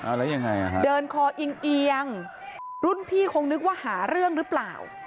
แล้วยังไงอ่ะฮะเดินคออิงเอียงรุ่นพี่คงนึกว่าหาเรื่องหรือเปล่า